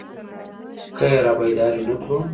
که يې رابيدارې نه کړو.